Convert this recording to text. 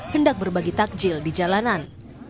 hendak berbagi takjil di jalanan